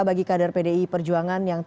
ketua dpp pdi perjuangan